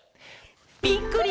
「ぴっくり！